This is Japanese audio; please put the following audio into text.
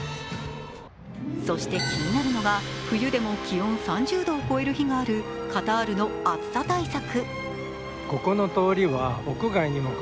そして気になるのが冬でも気温３０度超える日があるカタールの暑さ対策。